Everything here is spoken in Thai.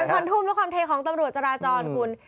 ความทุ่มและความเทของตำรวจจราจรคุณ